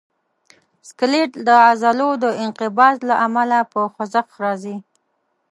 سکلیټ د عضلو د انقباض له امله په خوځښت راځي.